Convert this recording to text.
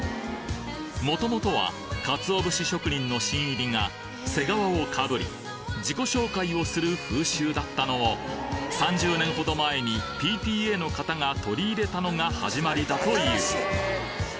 もともとはカツオ節職人の新入りが、背皮をかぶり、自己紹介をする風習だったのを、３０年ほど前にＰＴＡの方が取り入れたのが始まりだという。